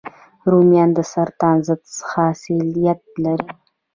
رومیان د سرطان ضد خاصیت لري